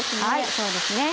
そうですね。